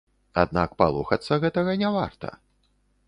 Аднак палохацца гэтага не варта.